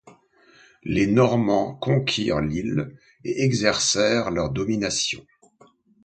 Les Normands conquirent l'île et exercèrent leur domination.